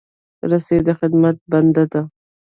رسۍ د خدمت بنده ده.